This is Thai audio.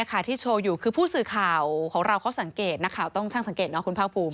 ก็คือข่าวของเราเขาสังเกตนะครับต้องช่างสังเกตเนอะคุณพาวภูมิ